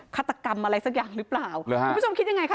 ฆาตกรรมอะไรสักอย่างหรือเปล่าหรือฮะคุณผู้ชมคิดยังไงคะ